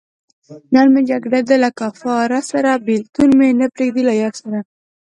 نن مې جګړه ده له کفاره سره- بېلتون مې نه پریېږدی له یاره سره